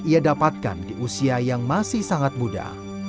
ia dapatkan di usia yang masih sangat muda